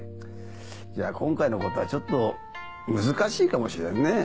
じゃあ今回のことはちょっと難しいかもしれんね。